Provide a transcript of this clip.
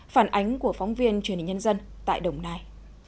phản ánh của phóng viên truyền hình nhân dân tại đồng nai